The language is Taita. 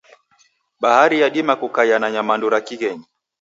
Bahari yadima kukaia na nyamandu ra kighenyi.